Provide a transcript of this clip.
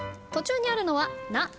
途中にあるのは「な」